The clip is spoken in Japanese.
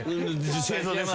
正座です